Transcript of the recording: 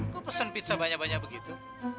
gue pesen pizza banyak banyak begitu